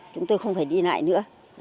chúng tôi không phải đi lại nữa